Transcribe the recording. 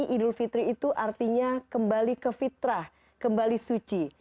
idul fitri itu artinya kembali ke fitrah kembali suci